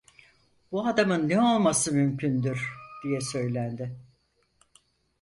"Bu adamın ne olması mümkündür?" diye söylendi.